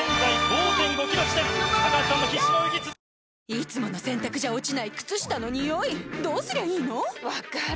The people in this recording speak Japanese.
いつもの洗たくじゃ落ちない靴下のニオイどうすりゃいいの⁉分かる。